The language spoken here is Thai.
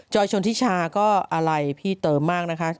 ชนทิชาก็อะไรพี่เติมมากนะคะ